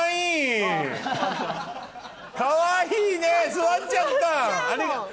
かわいいね座っちゃった。